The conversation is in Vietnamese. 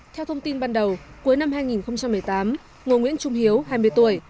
theo thông tin ban đầu cuối năm hai nghìn một mươi tám ngô nguyễn trung hiếu hai mươi tuổi